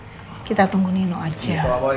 ayo kita tunggu nino aja